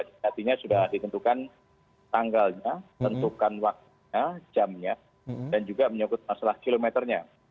artinya sudah ditentukan tanggalnya tentukan waktunya jamnya dan juga menyebut masalah kilometernya